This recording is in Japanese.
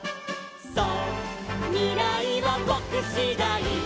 「そうみらいはぼくしだい」